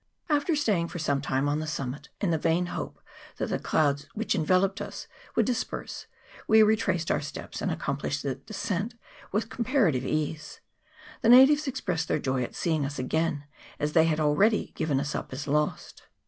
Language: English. After staying for some time on the summit, in the vain hope that the clouds which enveloped us would disperse, we retraced our steps, and accomplished the CHAP. VII.] HEIGHT OF MOUNT EGMONT. 159 descent with comparative ease. The natives ex pressed their joy at seeing us again, as they had already given us up as lost.